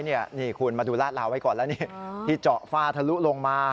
นี่คุณมาดูลาดลาวไว้ก่อนแล้วนี่ที่เจาะฝ้าทะลุลงมา